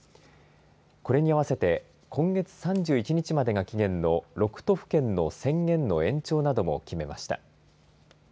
これに合わせて今月３１日までが期限の６都府県の宣言の延長なども決めました。